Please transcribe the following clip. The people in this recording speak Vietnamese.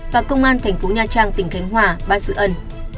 và công an thành phố nha trang tỉnh khánh hòa bắt giữ ân